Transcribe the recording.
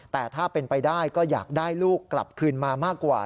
แต่ถ้าเป็นไปได้ก็อยากได้ลูกกลับคืนมามากกว่า